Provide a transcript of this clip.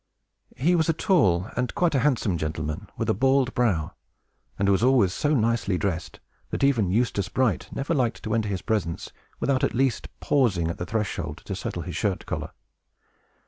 He was a tall and quite a handsome gentleman, with a bald brow; and was always so nicely dressed, that even Eustace Bright never liked to enter his presence without at least pausing at the threshold to settle his shirt collar.